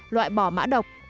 loại bỏ mã độc